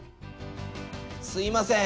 すいません。